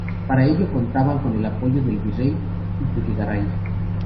Para ello contaban con el apoyo del virrey Iturrigaray.